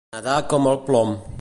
Nedar com el plom.